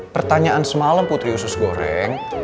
pertanyaan semalam putri usus goreng